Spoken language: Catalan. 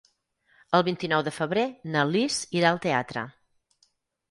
El vint-i-nou de febrer na Lis irà al teatre.